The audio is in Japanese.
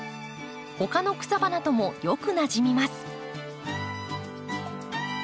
他の草花ともよくなじみます。